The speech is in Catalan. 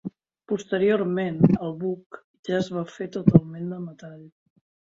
Posteriorment el buc ja es va fer totalment de metall.